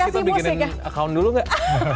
kamu mau bikinin account dulu gak